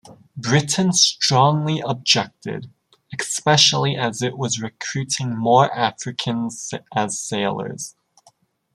Britain strongly objected, especially as it was recruiting more Africans as sailors.